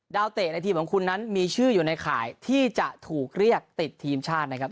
เตะในทีมของคุณนั้นมีชื่ออยู่ในข่ายที่จะถูกเรียกติดทีมชาตินะครับ